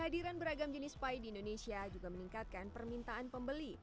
kehadiran beragam jenis pie di indonesia juga meningkatkan permintaan pembeli